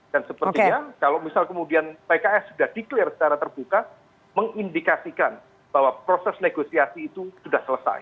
dan sepertinya kalau misal kemudian pks sudah declare secara terbuka mengindikasikan bahwa proses negosiasi itu sudah selesai